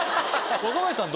若林さん